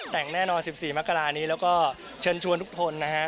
แต่งแน่นอน๑๔มกรานี้แล้วก็เชิญชวนทุกคนนะฮะ